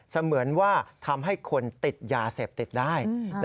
เสมือนว่าทำให้คนติดยาเสพติดได้